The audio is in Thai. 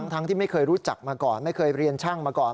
ทั้งที่ไม่เคยรู้จักมาก่อนไม่เคยเรียนช่างมาก่อน